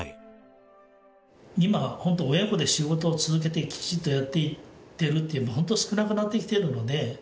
今親子で仕事を続けてきちんとやっていってるって今本当少なくなってきているので。